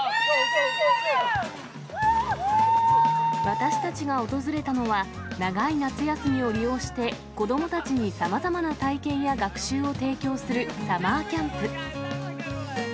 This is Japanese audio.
私たちが訪れたのは、長い夏休みを利用して、子どもたちに様々な体験や学習を提供するサマーキャンプ。